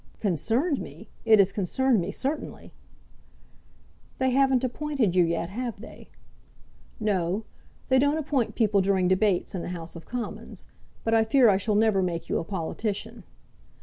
"Concerned me! It has concerned me certainly." "They haven't appointed you yet; have they?" "No; they don't appoint people during debates, in the House of Commons. But I fear I shall never make you a politician."